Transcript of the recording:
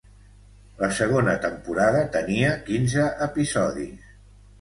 La segona temporada tenia quinze episodis.